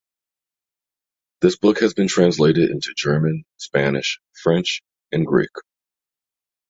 The book has been translated into German, Spanish, French, and Greek.